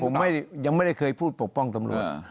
ผมยังไม่ได้เคยพูดปกป้องตำรวจ